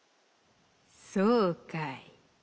「そうかい。